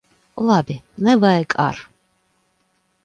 Labi! Nevajag ar'.